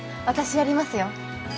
私やりますよ。